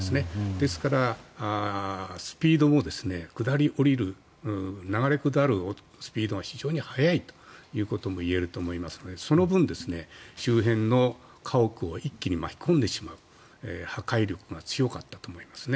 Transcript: ですから、スピードも下り降りる、流れ下るスピードが非常に速いということも言えると思いますのでその分、周辺の家屋を一気に巻き込んでしまう破壊力が強かったと思いますね。